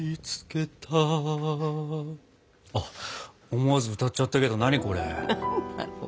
思わず歌っちゃったけど何これ？何なの。